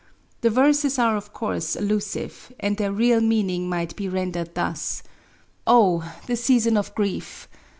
The venes are, of course, alluave, and their real meaning might be rendered thus :Oh ! the season of grief!